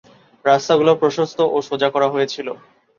রাস্তাগুলো প্রশস্ত ও সোজা করা হয়েছিলো।